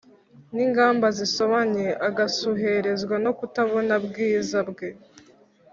ningamba zisobanye agasuherezwa no kutabona bwiza bwe.